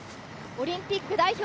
オリンピック代表